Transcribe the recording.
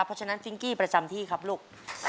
เพราะฉะนั้นฟิงกี้ประจำที่ครับลูก